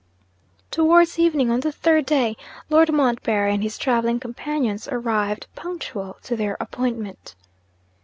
Towards evening on the third day, Lord Montbarry and his travelling companions arrived, punctual to their appointment.